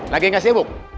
lagi nggak sibuk